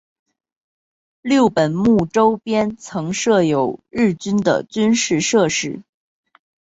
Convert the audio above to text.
六本木周边曾设有日军的军事设施。